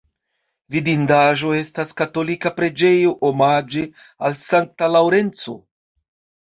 Vidindaĵo estas katolika preĝejo omaĝe al Sankta Laŭrenco.